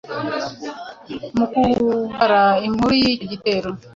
Mu kubara inkuru y’icyo gitero,